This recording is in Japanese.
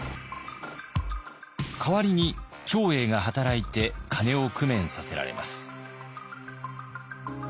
代わりに長英が働いて金を工面させられます。